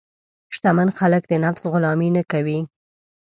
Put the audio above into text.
شتمن خلک د نفس غلامي نه کوي.